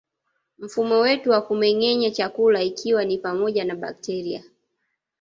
Mfumo wetu wa kumengenya chakula ikiwa ni pamoja na bakteria